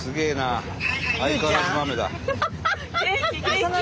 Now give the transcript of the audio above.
元気？